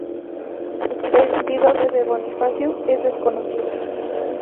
La identidad de la madre de Bonifacio es desconocida.